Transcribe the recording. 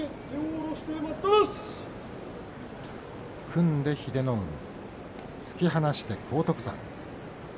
組んで英乃海突き放して荒篤山。